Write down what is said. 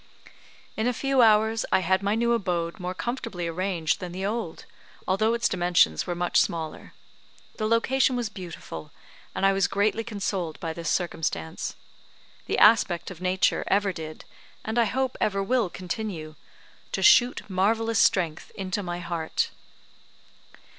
In a few hours I had my new abode more comfortably arranged than the old, although its dimensions were much smaller. The location was beautiful, and I was greatly consoled by this circumstance. The aspect of Nature ever did, and I hope ever will continue "To shoot marvellous strength into my heart."